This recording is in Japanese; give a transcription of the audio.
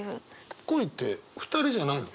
恋って２人じゃないの？